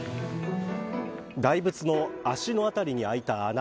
大仏の足の辺りに開いた穴。